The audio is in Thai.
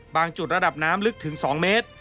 จุดระดับน้ำลึกถึง๒เมตร